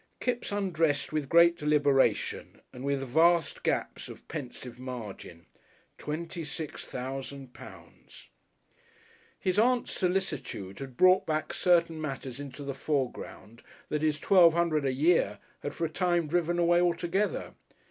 Kipps undressed with great deliberation, and with vast gaps of pensive margin. Twenty six thousand pounds! His Aunt's solicitude had brought back certain matters into the foreground that his "Twelve 'Undred a year!" had for a time driven away altogether.